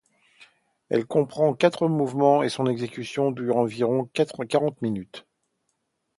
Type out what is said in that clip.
Elle comprend quatre mouvements et son exécution dure environ quarante minutes.